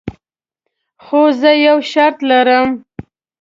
خو زه یو شرط لرم.